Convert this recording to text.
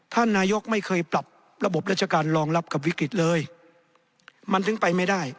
ท่านนายกไม่เคยปรับระบบราชการรองรับกับวิกฤตเลยมันถึงไปไม่ได้